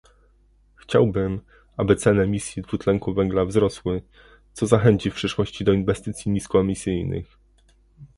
Chciałbym, aby ceny emisji dwutlenku węgla wzrosły, co zachęci w przyszłości do inwestycji niskoemisyjnych